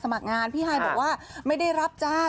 ตอนนี้ไปฟังพี่หายอภพรกันหน่อยค่ะแซวเล่นจนได้เรื่องจ้า